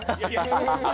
ハハハハ。